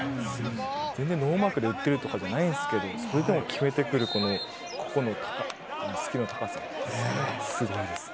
全然、ノーマークで打ってるとかじゃないんですけれども、それでも決めてくるこの個々のスキルの高さ、すごいですね。